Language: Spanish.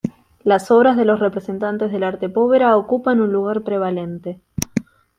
Las obras de los representantes del Arte Povera ocupan un lugar prevalente.